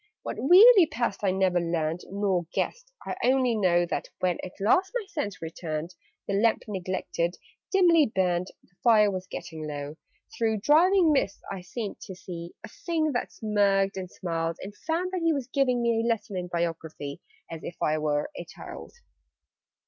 What really passed I never learned, Nor guessed: I only know That, when at last my sense returned, The lamp, neglected, dimly burned The fire was getting low Through driving mists I seemed to see A Thing that smirked and smiled: And found that he was giving me A lesson in Biography, As if I were a child.